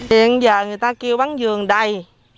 hiện giờ người ta kêu bán giường đầy